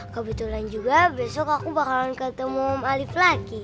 kebetulan juga besok aku bakalan ketemu bang alief lagi